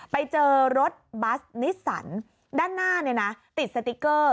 ไปเจอรถบัสนิสสันด้านหน้าเนี่ยนะติดสติ๊กเกอร์